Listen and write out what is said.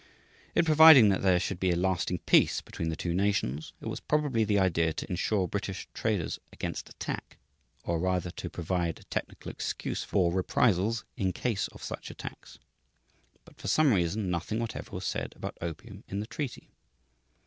In providing that there should be a "lasting peace" between the two nations, it was probably the idea to insure British traders against attack, or rather to provide a technical excuse for reprisals in case of such attacks. But for some reason nothing whatever was said about opium in the treaty.